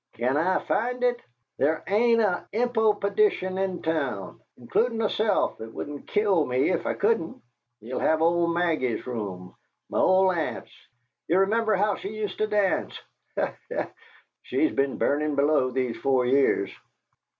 Can I find it? There ain't a imp o' perdition in town, includin' myself, that wouldn't kill me if I couldn't! Ye'll have old Maggie's room, my own aunt's; ye remember how she used to dance! Ha, ha! She's been burnin' below these four years!